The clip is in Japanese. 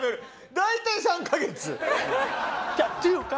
大体３カ月。